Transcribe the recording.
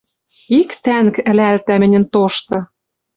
Ик тӓнг ӹлӓлтӓ мӹньӹн тошты...» —